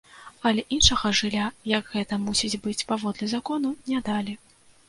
Але іншага жылля, як гэта мусіць быць паводле закону, не далі.